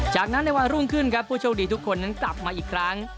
จากนั้นในวันรุ่งขึ้นครับผู้โชคดีทุกคนนั้นกลับมาอีกครั้ง